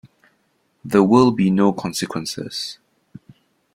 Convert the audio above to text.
There will be no consequences.